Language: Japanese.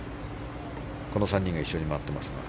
この３人が一緒に回ってますが。